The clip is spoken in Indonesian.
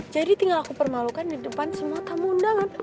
jadi tinggal aku permalukan di depan semua tamu undangan